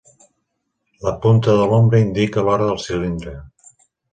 La punta de l'ombra indica l'hora al cilindre.